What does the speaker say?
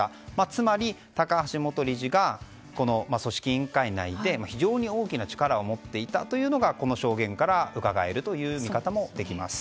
つまり、高橋元理事が組織委員会内で非常に大きな力を持っていたというのがこの証言からうかがえるという見方もできます。